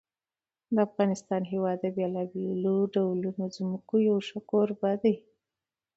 د افغانستان هېواد د بېلابېلو ډولو ځمکو یو ښه کوربه دی.